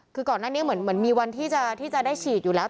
คือก่อนหน้านี้เหมือนมีวันที่จะได้ฉีดอยู่แล้ว